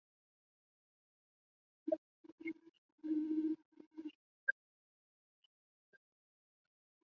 该网站每日都会更新数次电影和娱乐相关的新闻。